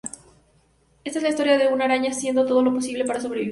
Esta es la historia de una araña haciendo todo lo posible para sobrevivir.